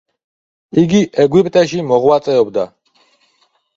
იგი ეგვიპტეში მოღვაწეობდა.